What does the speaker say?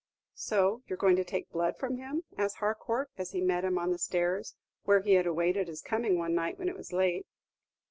"So you're going to take blood from him?" asked Harcourt, as he met him on the stairs, where he had awaited his coming one night when it was late.